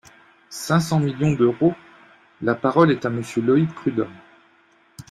cinq cents millions d’euros ! La parole est à Monsieur Loïc Prud’homme.